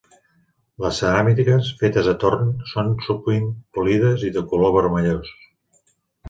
Les ceràmiques, fetes a torn, són sovint polides i de color vermellós.